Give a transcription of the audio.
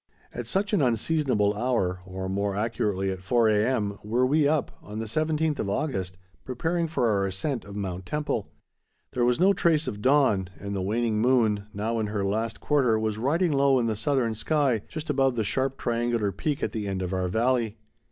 At such an unseasonable hour, or more accurately at four A.M., were we up, on the 17th of August preparing for our ascent of Mount Temple. There was no trace of dawn, and the waning moon, now in her last quarter, was riding low in the southern sky, just above the sharp triangular peak at the end of our valley.